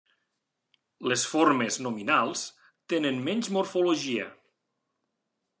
Les formes nominals tenen menys morfologia.